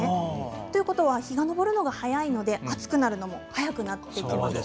ということは日が昇るのが早いので暑くなるのも早くなってきます。